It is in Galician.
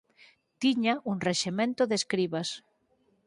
Tiña un rexemento de escribas.